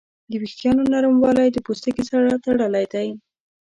د وېښتیانو نرموالی د پوستکي سره تړلی دی.